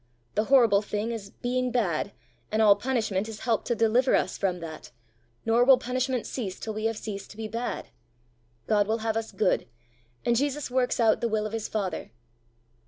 The horrible thing is being bad, and all punishment is help to deliver us from that, nor will punishment cease till we have ceased to be bad. God will have us good, and Jesus works out the will of his father.